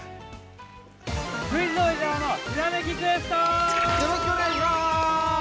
◆「クイズ王・伊沢のひらめきクエスト」！